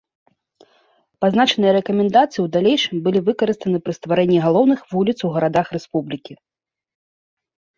Пазначаныя рэкамендацыі ў далейшым былі выкарыстаны пры стварэнні галоўных вуліц у гарадах рэспублікі.